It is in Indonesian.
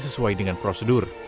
sesuai dengan prosedur